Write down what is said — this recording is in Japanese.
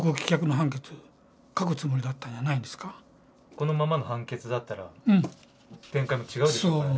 このままの判決だったら展開も違うでしょうからね。